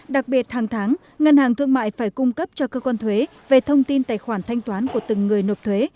đặc biệt hàng tháng ngân hàng thương mại phải cung cấp cho cơ quan thuế về thông tin tài khoản thanh toán của từng người nộp thuế